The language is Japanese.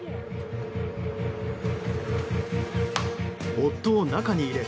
夫を中に入れ